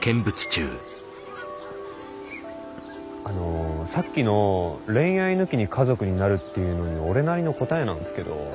あのさっきの恋愛抜きに家族になるっていうのに俺なりの答えなんですけど。